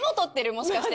もしかして。